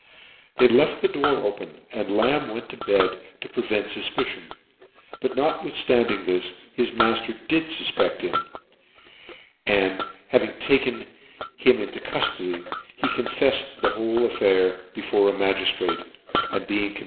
They left the door open, and Lamb went to bed, to prevent fufpicion : but notwithstanding this, his mailer did fufpect him, aud having him taken into cuflody, he confefied the whole affair before a magi (Irate, and being comn.